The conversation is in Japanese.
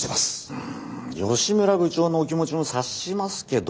うん吉村部長のお気持ちも察しますけどね。